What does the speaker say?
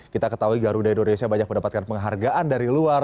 kita ketahui garuda indonesia banyak mendapatkan penghargaan dari luar